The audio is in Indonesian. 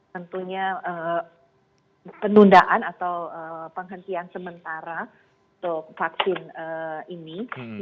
tentunya penundaan atau penghentian sementara untuk vaksin ini